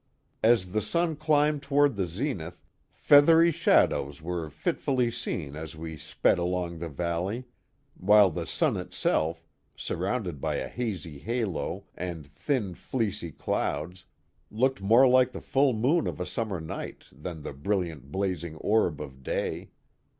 As the sun climbed toward the zenith feathery shadows were fitfully seen as we sped along the valley, while the sun itself, surrounded by a hazy halo and thin, fleecy clouds, looked more like the full moon of a summer night than the brilliant, blading orb of day.